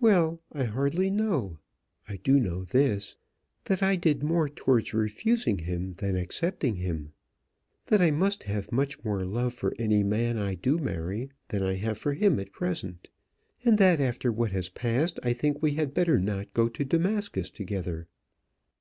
"Well, I hardly know. I do know this that I did more towards refusing him than accepting him; that I must have much more love for any man I do marry than I have for him at present; and that after what has passed, I think we had better not go to Damascus together."